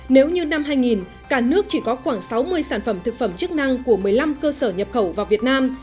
nếu như năm hai nghìn cả nước chỉ có khoảng sáu mươi sản phẩm thực phẩm chức năng của một mươi năm cơ sở nhập khẩu vào việt nam